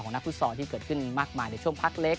นักฟุตซอลที่เกิดขึ้นมากมายในช่วงพักเล็ก